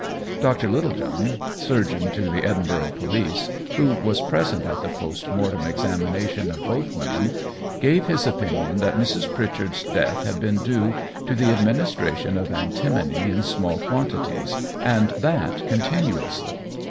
Dr. Littlejohn, surgeon to the Edinburgh police, who was present at the post mortem examination of both women, gave his opinion that Mrs. Pritchard's death had been due to the administration of antimony in small quantities, and that continuously.